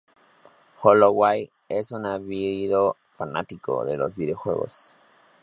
Holloway es un ávido fanático de los videojuegos.